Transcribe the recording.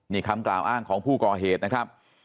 นี่คำกล่าวอ้างของผู้ก่อเหตุนะครับ